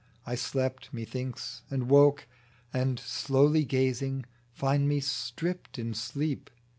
I slept, methinks, and woke, And, slowly gazing, find me stripped in sleep.